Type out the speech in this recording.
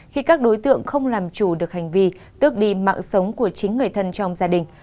khi các đối tượng không làm chủ được hành vi tước đi mạng sống của chính người thân trong gia đình